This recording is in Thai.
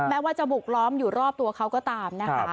แม้ว่าจะบุกล้อมอยู่รอบตัวเขาก็ตามนะคะ